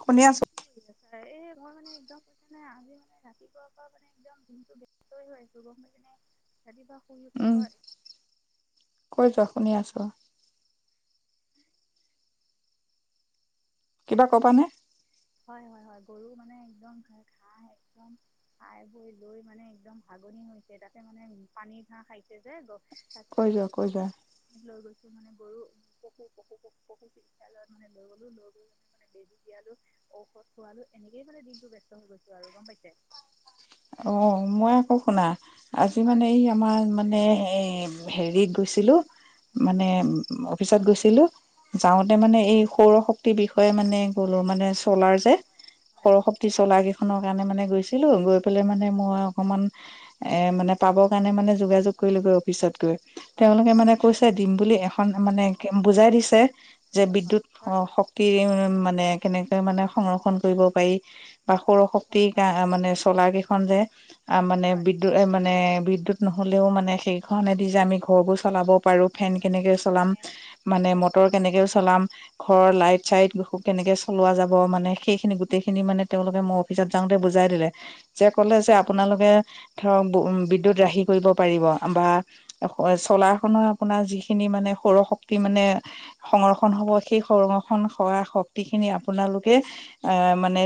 শুনি আছো তই মানে একদম কৈছে নে আজি মানে ৰাতিপুৱাৰ পৰা মানে একদম দিনটো ব্যস্তই হৈ আছোঁ গম পাইনে ৰাতিপুৱা শুই উঠোঁ উম বৰ কৈ যোৱা শুনি আছো অ কিবা কবা নে হয় হয় হয় গৰু মানে একদম ঘ ঘাঁহ একদম খাই বৈ লৈ মানে একদম ভাগনি হৈছে তাতে মানে পানী ঘাঁহ খাই গ তাক কৈ যোৱা কৈ যোৱা লৈ গৈছ মানে গৰু পশু, পশু পু পশু বিদ্যালয়ত মানে লৈ গলো, লৈ গৈ মানে মানে বেজী দিয়ালো। ঔষধ খোৱালো এনেকেই মানে দিনটো ব্যস্ত হৈ গৈছো আৰু গম পাইছে অ মই আকৌ শুনা আজি হয় মানে এই আমাৰ মানে এই হেৰিত গৈছিলো মানে অ ফিছত গৈছিলো যাওঁতে মানে এই সৌৰ শক্তিৰ বিষ মানে গ'লো মানে চ'লাৰ যে সৰ শক্তি চ'লাৰ কেই কিবা কাৰণে মানে গৈছিলো গৈ মানে মই অকমান এ মানে পাবৰ কাৰণে মানে যোগাযোগ কৰিলোঁগৈ অফিচত গৈ হয় তেওঁলোকে মানে কৈছে দিম বুলি এখ পাংতে মানে বুজাই দিছে যে বিদ্যুৎ হয় শক্তি মানে কেনেক মানে সংৰক্ষণ কৰিব পাৰি বা সৌৰ শক্তি হয় গা মানে চ'লাৰ কেইখন যে আ মানে হয় বিদ্যুৎ মানে এ বিদ্যুৎ নহলেও মানে সেইখনে দি যে আমি ঘৰবোৰ চলাব পাৰো ফেন কেনেকে চলাম মানে মটৰ কেনেকে হয় চলাম ঘৰৰ লাইট চাইট কেনেকে চলোৱা যাব মানে সেইখিনি গোটেইখিনি মানে তেওঁলোকে মই অফিচত যাওঁতে বুজাই দিলে যে কলে যে আপোনালোকে ধৰক বিদ্যুৎ ৰাহি কৰিব পাৰিব বা চলাৰখনৰ আপোনাৰ যিখিনি মানে সৌৰ শক্তি মানে সংৰক্ষণ হব সেই সংৰক্ষণ হোৱা শক্তি খিনি আপোনালোকে আহ মানে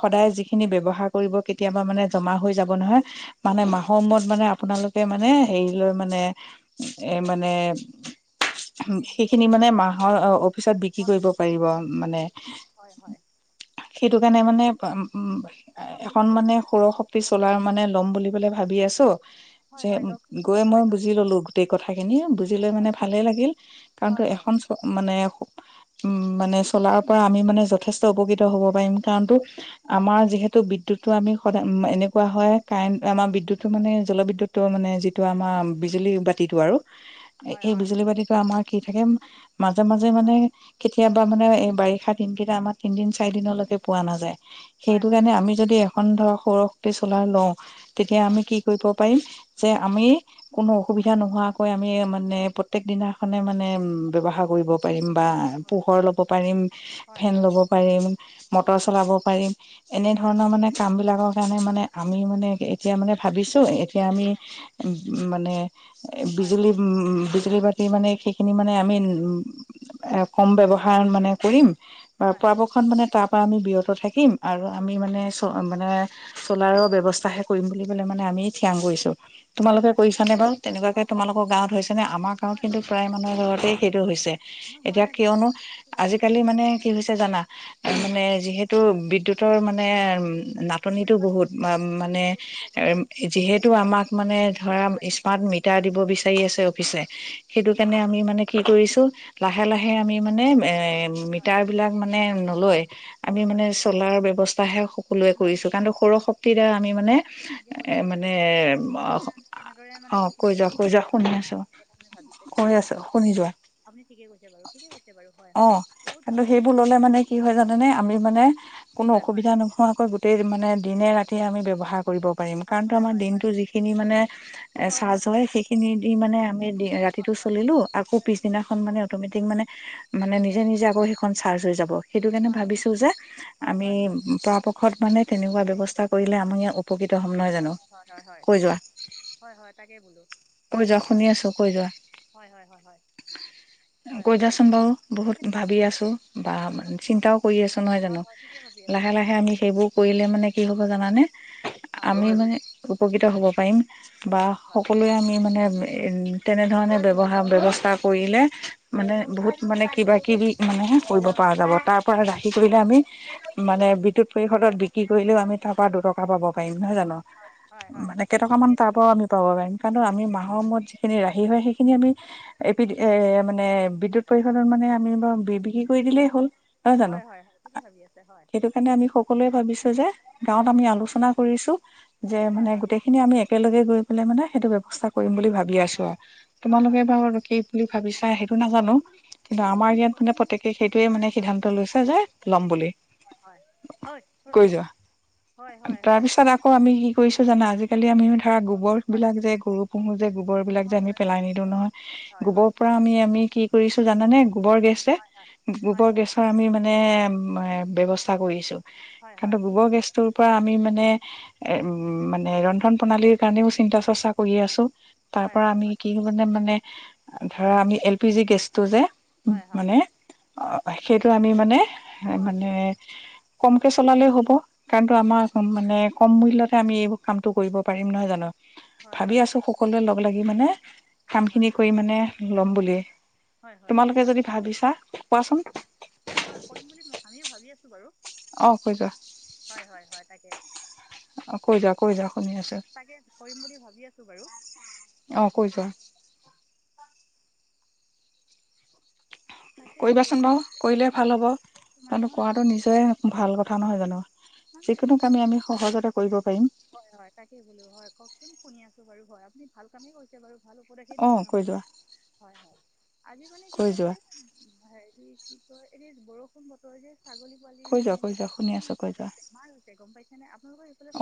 সদায় যিখিনি ব্যৱহাৰ কৰিব কেতিয়াবা মানে জমা হৈ যাব নহয় মানে মাহৰমত মানে আপোনালোকে মানে হেৰি লয় মানে এ মানে মানে একদম সেইখিনি মানে মাহৰ অফিচত বিক্ৰী কৰিব পাৰিব মানে হয় সেইটো কাৰণে মানে উ আপোনালোকৰ এখন মানে পইচা সৌৰ শক্তি চলাৰ মানে ল'ম বুলিকলে ভ ভাবি আছোঁ হয় যে হয় লওকচোন গৈ হয় মই হয় লওক বুজি ললো গোটেই কথাখিনি বুজি লৈ মানে ভালেই লাগিল কাৰণ তো হয় হয় এখন মানে উম মানে চলাৰ পৰা আমি মানে যথেষ্ট উপকৃত হব পাৰিম কাৰণটো আমাৰ যিহেতু বিদ যিটো আমি সদায় উম এনেকুৱা হয় কাৰেণ্ট আমাৰ বিদ্যুতটো মানে জলবিদ্যুতটো মানে যিটো আমাৰ বিজুলী বাতিটো আৰু হয় এই হয় বিজুলী বাাতি কৰা আমাৰ কি থাকিম মাজে মাজে মানে কেতিয়াবা মানে এই বাৰিষা দিনকেইটা আমাৰ তিনদিন চাৰিদিনলৈকে পোৱা নাযায় হয় সেইটো কাৰণে আমি এখন ধৰ সৌৰশক্তি চলাই লওঁ তেতিয়া হয় হয় আমি কি কৰিব পাৰিম যে হয় আমি কোনো অসুবিধা নোহোৱাকৈ আমি মা মানে প্ৰত্যেক দিনাখনে মানে হয় হয় ব্যৱহাৰ হয় কৰিব পাৰিম বা পোহৰ ল'ব পাৰিম হয় ফেন ল'ব পাৰিম মটৰ হয় হয় হয় হয় চলাব পাৰিম এনে হয় হয় ধৰণৰ মানে কামবিলাকক সেইকাৰণে মানে আমি মানে এতিয়া মানে ভাবিছোঁ এতিয়া আমি উম মানে হয় বিজলী উ বিজলী বা স মানে সেইখিনি মানে আমি কম ব্যৱহাৰ মানে কৰিম বা হয় হয় পৰাপক্ষত মানে তাপ পৰা আমি বিৰত থাকিম আৰু আমি মানে চ মানে চলাৰৰ ব্যৱস্থাহে কৰিম বুলি পেললে মানে আমি থিয়াং কৰিছোঁ হয় তোমালোকে কৰিছ নে বাৰু তেনেকুৱাকে হয় হয় তোমালোকৰ গাঁৱত হৈছে নে আমাৰ গাঁৱত হয় কিন্তু প্ৰায় মানুহৰ ঘৰতেই সেইটো হৈছে মই হোৱা এতিয়া নাই কিয়নো বাৰু ভাবিছোঁহে আজিকালি বাৰু মানে কি হৈছে জানা হয় মানে হয় যিহেতু বিদ্যুৎ মানে নাটনিতটো পৰিমাণ বহুত মানে হৈছে গৰম দিন যিহেতু আমাক মানে ধৰা হয় স্মাৰ্ট মিটাৰ দিব বিচাৰি আছে অফিচে সেইটো হয় কাৰণে হয় আমি মানে কি কৰিছো লাহে লাহে আমি মানে এ এ হয় হয় মিটাৰ বিলাক মানে নলৈ আমি নলয় মানে নলয় হয় চলাৰ হয় বে অৱস্থাহে সকলোৱে ল'ম কৰিছো বুলি কাৰণ সৌৰ শক্তিৰ দ্বাৰা আমি মানে তেনেকৈ কৰিম এ গৈছে মানে সংসদে আমি কেনেদৰে মানে অ থাকিব কৈ যোৱা কৈ যোৱা শুনি আছো কথা মানে ভাবিছে ঠিকে কৈ আছে আছো হয় শুনি যোৱা আপুনি ঠিকে কৈছে বাৰু ঠিকে কৈছে বাৰু হয় অ হয় বহুত ভাল কিন্তু কথা সেইবোৰ ললে মানে কি হয় জানোনে আমি মানে কোনো হয় হয় অসুবিধা নোশোৱাকৈ গোটেই মানে দিনে ৰাতিয়ে আমি ব্যৱহাৰ কৰিব হয় হয় হয় হয় দিনটো যি খিনি মানে চাৰ্জ হয় হেই খিনি দি মানে ৰাতি টো চলিলো আকৌ পিছ দিনাখন অটোমেটিক ক্লিয়াৰ নিজে হৈছে নিজে চাৰ্জ হয় যাব হেইটো কেনে হয় ভাবিছোঁ যে হয় আমি হয় হয় পৰাপক্ষত মানে তেনেকুৱা ব্যৱস্থা কৰিলে আমাৰ ইয়াত উপকৃত হয় ন জানো হয় হয় হয় কৈ ঠিকে যোৱা হয় হয় তাকে বোলো হয় কৈ যোৱা হয় হয় শুনি আছো কৈ যোৱা হয় হয় হয় হয় হয় কৈ হয় যোৱাচোন কওকচোন বাৰু বহুত ভাবি আছো বা হয় হয় চিন্তাও কৰি আছো নহয় হয় জানো হয় ঠিকে ভাবি আছে লাহে ঠিকে লাহে ভাবি আমি আছে সেইবোৰ কৰিলে মানে কি হ'ব জানানে হয় আমি মানে উপকৃত হ'ব পাৰিম বা হয় হয় সকলোৱে আমি মানে উ তেনেধৰণে ব্যৱহাৰ ব্যৱস্থা কৰিলে মানে উম, বহুত মানে কিবা মানেহে কৰিব প যাব তাৰ পৰা ৰাখি কৰিলে আমি মানে বিদুত পৰিষদত বিক্ৰী কৰিলেও আমি তাৰ পৰা দুটকা পাব পাৰিম নহয় জানো হয় হয় মানে কেইটকামান ঠিকে টাব কৈছে আমি পাব পাৰিম কাৰণ আমি হয় মাহৰ মূৰত যিখিনি ৰাহি হয় সেইখিনি আমি এ পি এ মানে বিদ্যুৎ ত পৰিষধৰ মানে আমি বাৰ বি বিক্ৰী কৰি দিলেই হ'ল নহয় জানো হয় হয় হয় ঠিকে ভাবি আছে হয় সেইটো কাৰণে আমি সকলোৱে ভাবিছো তই যে গাঁৱত আমি হয় আলোচনা কৰিছো যে মানে হয় হয় গোটেইখিনি আমি একেলগে গৈ পালে মানে সেইটো ব্যৱস্থা কৰিম বুলি ভাবি আছো আৰু হয় তোমালোকে হয় হয় বাৰু কি বুলি ভাবিছা সেইটো নাজানো কিন্তু আমাৰ ইয়াত মানে প্ৰত্যেকে সেইটোৱে মানে সিদ্ধান্ত লৈছে যে হয় হয় কৈ যোৱা হয় হয় হয় তাৰপিছত আকৌ আমি কি কৰিছো জানা আজিকালি আমি ধৰা গোবৰ বিলাক যে গৰু পুহো গোবৰ বিলাক যে আমি পেলাই নিদিওঁ নহয় হয় হয় গোবৰ হয় পৰা আমি আমি কি কৰিছো জানানে গোবৰ গেছে হয় হয় হয় গোবৰ হয় গেছৰ আমি মানে ব্যৱস্থা কৰিছো হয় হয় কাৰণ ঠিকে গোবৰ ভাবি আছে। গেছটোৰ পৰা আমি মানে এ উম মানে ৰন্ধন প্ৰণালীৰ কাৰণেও চিন্তা চৰ্চা কৰি আছো তাৰ হয় পৰা হয় আমি হয় কি মানে ধৰা আমি এল পি জি গেছটো যে উম হয় মানে হয় অ সেইটো আমি মানে হয় হয় হয় মানে কমকে চলালে হ'ব কাৰণটো আমাৰ মানে কম মূল্যতে আমি এইবোৰ কামটো কৰিব পাৰিম নহয় জানো হয় ভাবি হয় আছো সকলোৱে লগ লাগি মানে কাম হয় হয় খিনি কৰি মানে ল'ম বুলিয়েই হয় হয় তোমালোকে যদি ভাবিছা কোৱাচোন হয় কৰিম বুলি মই আমিও ভাবি আছো বাৰু অ কৈ যোৱা হয় হয় হয় তাকে অ কৈ যোৱা কৈ যোৱা শুনি আছো তাকে কৰিম বুলি ভাবি আছো বাৰু অ কৈ যোৱা তাকে বোলো কৰিবাচোন হয় বাৰু কৰিলে ভাল হ'ব কাৰণ কৰাটো নিজৰে ভাল কথা নহয় জানো যিকোনো কামেই আমি সহজতে কৰিব পাৰিম হয় হয় তাকে বোলো হয় কওকচোন শুনি আছো বাৰু হয় আপুনি ভাল কামেই কৰিছে বাৰু ভাল উপদেশেই অ দিছে কৈ নহয় যোৱা হয় হয় আজি মানে কি কৈ হয় যোৱা হেৰি কি কয় এই বৰষুণ বতৰ যে ছাগলী পোৱালি কৈ যোৱা মানে কৈ যোৱা শুনি মানে আছো কৈ ইমান যোৱা বেমাৰ হৈছে গম পাইছো [unintelligible]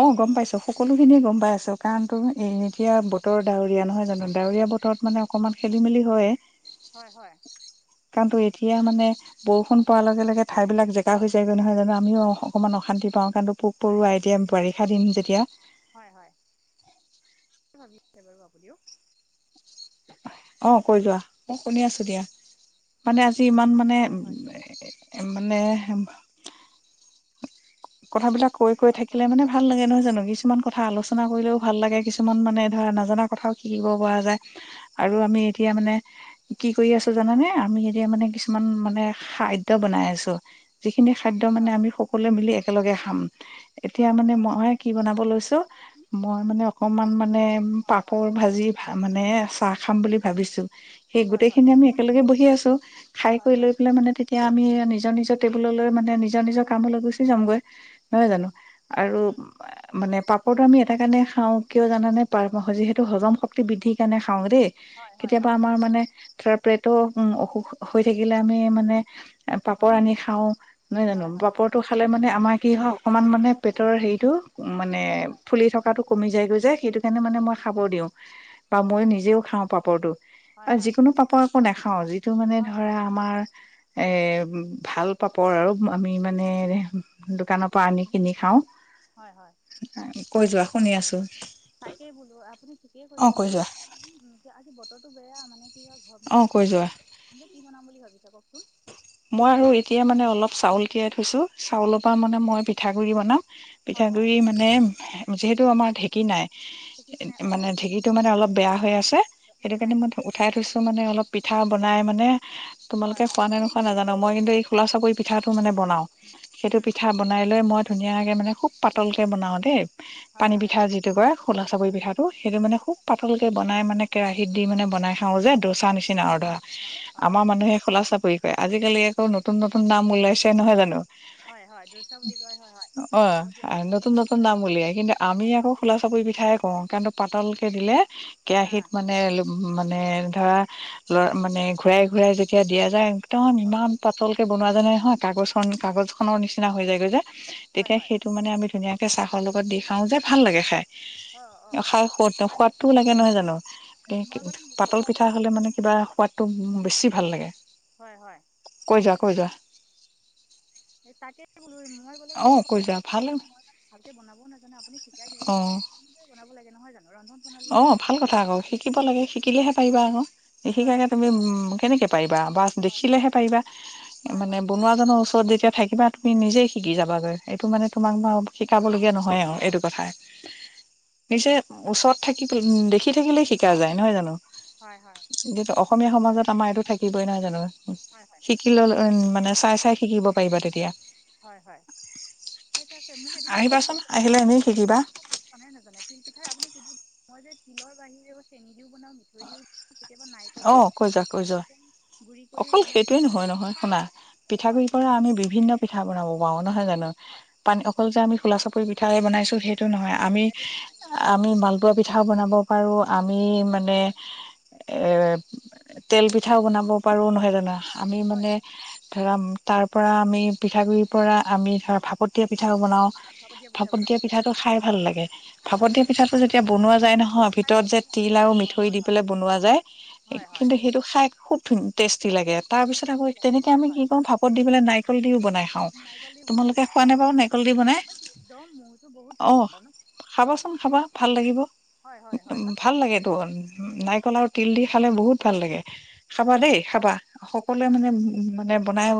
অ গম পাইছো সকলোখিনিয়ে গম পাই আছো কাৰণ এ এতিয়া বতৰ ডাৱৰীয়া নহয় জানো ডাৱৰীয়া বতৰত মানে অকমান খেলি মেলি হয় হয় হয় কাৰণ তো এতিয়া মানে বৰষুণ পোৱাৰ লগে লগে ঠাই বিলাক জেকাহৈ যায়গৈ নহয় জানো আমিও অকনমান অশান্তি পাওঁ টো পোক হয় পৰু আই দিয় আই দিব পাৰি হে দিম যেতিয়া ভাবিছে বাৰু আপুনিও অ কৈ যোৱা অ শুনি আছো দিয়া মানে আজি যিমান মানে হয় হয় মানে কথাবিলাক কৈ কৈ হয় থাকিলে কওক মানে ভাল লাগে নহয় জানো কিছুমান কথা আলোচনা কৰিলেও ভাল লাগে কিছুমান মানে নাজানা কথাও শিকিব পৰা যায় আৰু আমি এতিয়া মানে কি কৰি আছো জানে হয় হয় আমি এতিয়া মানে কিছু কিছুমান মানে খাদ্য বনাই আছো যি খিনি খাদ্য মানে হয় আমি সকলোৱে মিলি একেলগে খাম এতিয়া হয় হয় মানে হয় মই কি বনাব লৈছো মই মানে অকমান মান মানে হয় হয় পাপৰ ভাজি ভা মানে চাহ খাম বুলি ভাবিছো সেই হয় গোটেই হয় হয় খিনি আমি একেলগে বহি আছো ছো খাই হয় কৰি লৈ হয় পেলাই মানে তেতিয়া আমি নিজৰ নিজৰ টেবুললৈ মানে নিজৰ নিজৰ কামলৈ গুচি যামগৈ নহয় জানো আৰু মানে সটো আমি এটা কাৰণে খাওঁ কিয় জানে নে যিহেতু হজম শক্তি বৃদ্ধিৰ কাৰণে খাওঁ খাওঁ দেই হয় হয় হয় হয় হয় হয় কেতিয়াবা আমাৰ মানে তাৰপেত উ অসুখ হৈ থাকিলে আমি মানে পাপৰ আনি খাও নহয় জানো হয় হয় পাপৰটো খালে মানে আমাক কি হয় অকণমান মানে পেটৰ হেৰিটো মানে ফুলি থকাটো কমি যায় গৈ যে সেইটো নে মানে মই খাবৰ দিও বা মই নিজেও খাওঁ পাপৰটো হয় আৰু হয় যিকোনো পাপৰ আকৌ নাখাওঁ অ যি এইটো মানে হয় ধৰা আমাৰ এ ভাল পাপৰ আৰু আমি মানে দোকানৰ পৰা আনি কিনি খাও হয় হয় কৈ যোৱা শুনি আছোঁ তাকেই বোলো আপুনি ঠিকেই কৈছে কৈ বাৰু যোৱা আজি বতৰটো বেয়া মানে অ কৈ যোৱা ভাত কি বনাম বুলি ভাবিছে ক ওক মই আৰু এতিয়া মানে অলপ চাউল তিয়াই থৈছোঁ চাউলৰ পৰা হয় মানে মই পিঠা পিঠাগুড়ি বনাম হয় হয় পিঠাগুৰি মানে যিহেতু আমাৰ ঢেকী নাই মানে অঁ ঢেঁকীটো মানে অলপ বেয়া হৈ আছে সেইটো কাৰণে মই কাৰেণ্টটো উঠাই থৈছো মানে অলপ পিঠা বনাই মানে তোমালোক হয় হয় খোৱা নে‌ নোখোৱা নাজানো মই কিন্তু ফুলা চাপৰি পিঠাটো মানে বনাও সেইটো উম পিঠা বনাই লৈ মই ধুনীয়াকৈ মানে খুব পাতলকে বনাওঁ দেই হয় পানী হয় পিঠা যিটো কয় খোলা চাপৰি পিঠাটো সেইটো মানে খুব পাতলকে বন বনাই মানে কেৰাহীত দি মানে বনাই খাওঁ যে দচা নিচিনা আৰু ধৰা হয় আমাৰ মানুহে কলা চাপৰি কয় আজিকালি আকৌ নতুন নতুন নাম ওলাইছে নহয় জানো হয় হয় দোৰচা বুলি কয় হয় হয় অ হ'ব দিয়া নতুন নতুন নাম উলিয়াই কিন্তু আমি আকৌ খোলা চাপৰি পিঠাই কওঁ কাৰন পাতলকে দিলে কেৰাহীত হাঁ মানে মানে ধৰা লৰ মানে হয় হয় ঘূৰাই ঘূৰাই এতিয়া দিয়া যায় একদম ইমান পাতলকে বনোৱা যায় নহয় কাগজ খন কাগজ খনৰ নিচিনা হৈ যায়গৈ যে হয় তেতিয়া হয় সেইটো মানে আমি ধুনীয়াক এ চাহৰ লগত দি খাওঁ যে ভাল লাগে খাই অঁ অঁ অঁ খাই অঁ সোৱাদ আৰু মোকো সোৱাদটোও লাগে নহয় জানো মই গ'লে মোকো পাতল পিঠা খোৱাবচোন হলে মানে কিবা সোৱাদতটো বেছি ভাল লাগে, হয় হয় কৈ যোৱা কৈ যোৱা। তাকে বোলো মই বোলে অ মোকো কৈ যোৱা ভাল মই ভালকে বনাব নাজানো আপুনি শিকাই দিব অ মই তেনেকে লাগে নহয় জানো? ৰন্ধন প্ৰণালীটো অ' ভাল কথা বনোৱা- আকৌ শিকিব লাগে শিকিলেহে পাৰিবা আকৌ, হয় নিশিকাকে তুমি উম কেনেকে পাৰিবা বা হয় দেখিলেহে পাৰিবা হয় মানে হয় বনোৱাাজনৰ ওচৰত যেতিয়া থাকিবা তুমি নিজেই শিকি যাবাগৈ এইটো মানে তোমাক শিকাবলগীয়া নহয় আৰু এইটো কথাই নিজে ওচৰত থাকি দেখি থাকিলেই শিকা যায় নহয় জানো। হয় -হয় যিহেতু অসমীয়া সমাজত আমাৰ এইটো থাকিবই নহয় জানো। হয় হয় শিকি ললে মানে। চাই চাই শিকিব পাৰিবা তেতিয়া। হয় -হয় ঠিক আছে মোক এদিন বনাই আহিবাচোন আহিলে এনেই শিকিবা নাজানে তিলপিঠা আপুনি এনেই মই যে তিলৰ বাহিৰেও চেনি দিও বনাওঁ মিঠৈ দিওঁ। অ' কৈ যোৱা কৈ যোৱা গুড়ি কৰিও অকল বনাওঁ সেইটোয়ে নহয় নহয় শুনা হয় হয় পিঠাগুৰি পৰা আমি বিভিন্ন পিঠা পিঠা বনাব পাৰো। নহয় জানো পানী অকল যে আমি খোলা চাপৰি পিঠা বনাইছো সেই টো নহয় আমি আমি মালপুৱা পোৱা পিঠাও বনাব পাৰো আমি মানে তেল পিঠাও বনাব পাৰো নহয় জানা আমি হয় মানে হয় ধৰা তাৰ পৰা আমি পিঠাগুৰিৰ পৰা আমি ধৰা ভাপত দিয়া পিঠাগু বনাও। পিঠা ভাপত বনাব দিয়া পাৰি পিঠাটো খাই ভাল লাগে, খাই ভাল ভাপত দিয়া লাগে পিঠাটো যেতিয়া বনোৱা যায় নহয় ভিতৰত যে তিল আৰু মিঠৈ দি পেলাই বনোৱা যায়। হয় হয় কিন্তু সেইটো খাই খুউব ধুন টেষ্টি লাগে। অঁ তাৰপিছত আকৌ টেষ্টি লাগে তেনেকে হয় আমি কি হয় কৰো ভাপত দি পেলাই নাৰিকল দিও বনাই খাওঁ নাৰিকল দি বনোৱা তোমালোকে যায় খোৱা নে হয় বাৰু নাৰিকল দি বনাই মই একদম মইতো বহুত অ ভাল পাওঁ ন 'খাবাচোন খাবা ভাল লাগিব। হয় হয় হয় লাগে ভাল লাগে লাগেটো নাৰিকল আৰু তিল। তিল দি খালে বহুত ভাল লাগে, খাবা দেই খাবা সকলোৱে মানে উ মানে বনাই।